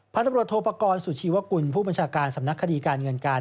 พันธบริโทษโภกรสุชีวคุณผู้บัญชาการสำนักคดีการเงินการ